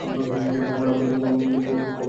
ক্ষমার আবেদন আসিয়া পৌঁছিল না।